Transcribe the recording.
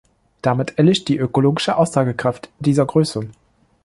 Damit erlischt die ökologische Aussagekraft dieser Größe.